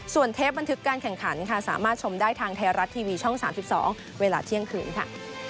ส่วนเทปบันทึกการแข่งขันค่ะสามารถชมได้ทางไทยรัฐทีวีช่อง๓๒เวลาเที่ยงคืนค่ะ